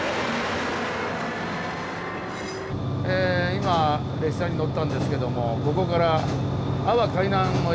今列車に乗ったんですけどもここから阿波海南の駅。